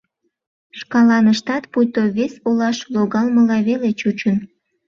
Шкаланыштат пуйто вес олаш логалмыла веле чучын.